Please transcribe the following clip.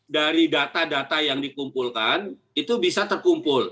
dari data data yang dikumpulkan itu bisa terkumpul